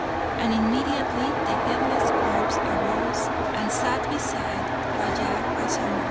And immediately the headless corpse arose and sat beside Raja Rasalu.